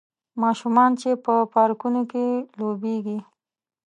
ماشومان چې په پارکونو کې لوبیږي